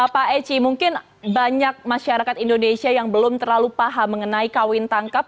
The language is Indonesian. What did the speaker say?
pak eci mungkin banyak masyarakat indonesia yang belum terlalu paham mengenai kawin tangkap